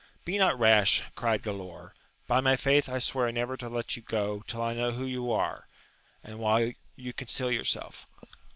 Be not rash, cried Galaor ; by my faith I swear never to let you go till I know who you are, and why you conceal yourself.